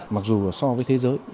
mặc dù so với thế giới